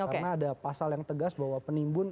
karena ada pasal yang tegas bahwa penimbun